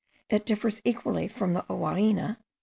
It differs equally from the ouarine (S.